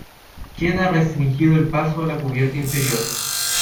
queda restringido el paso a la cubierta inferior.